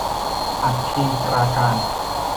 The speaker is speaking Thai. อัคคีปราการ